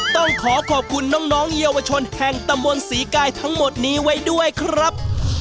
ต้องขอขอบคุณน้องเยาวชนแห่งตำบลศรีกายทั้งหมดนี้ไว้ด้วยครับ